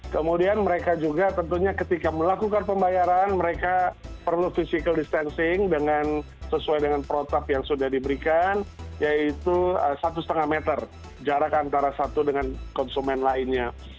kemudian mereka juga tentunya ketika melakukan pembayaran mereka perlu physical distancing sesuai dengan protap yang sudah diberikan yaitu satu lima meter jarak antara satu dengan konsumen lainnya